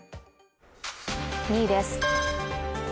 ２位です。